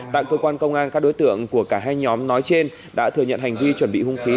tạng cơ quan công an các đối tượng của cả hai nhóm nói trên đã thừa nhận hành vi chuẩn bị hung khí